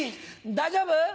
大丈夫？